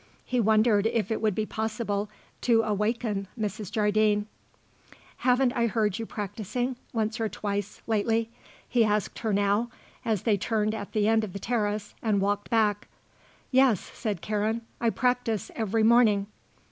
He wondered if it would be possible to awaken Mrs. Jardine. "Haven't I heard you practising, once or twice lately?" he asked her now, as they turned at the end of the terrace and walked back. "Yes," said Karen; "I practise every morning."